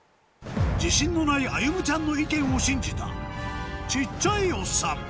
自信のないあゆむちゃんの意見を信じたちっちゃいおっさん